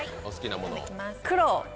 お好きなものを。